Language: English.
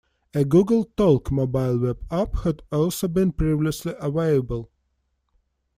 A Google Talk mobile web app had also been previously available.